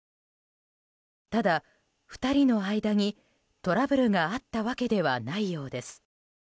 ただ、２人の間にトラブルがあったわけではないようです。